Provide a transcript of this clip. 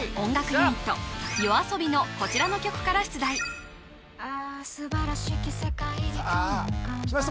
ユニットＹＯＡＳＯＢＩのこちらの曲から出題さあきました